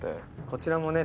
こちらもね